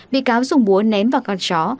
bị cáo dùng búa ném vào con chó